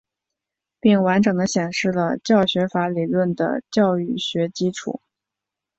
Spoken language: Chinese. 并完整地显示了教学法理论的教育学基础。